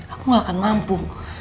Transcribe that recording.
aku gak akan mampu